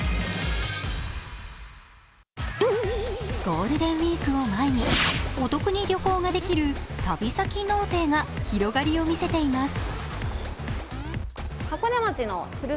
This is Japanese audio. ゴールデンウイークを前にお得に旅行ができる旅先納税が広がりを見せています。